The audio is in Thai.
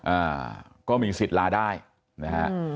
อ่าก็มีสิทธิ์ลาได้นะฮะอืม